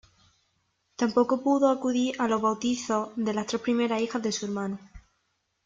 Tampoco pudo acudir a los bautizos de las tres primeras hijas de su hermano.